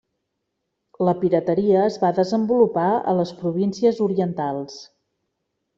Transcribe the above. La pirateria es va desenvolupar a les províncies orientals.